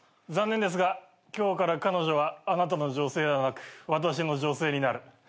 残念ですが今日から彼女はあなたの女性ではなく私の女性になる。